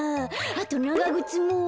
あとながぐつも。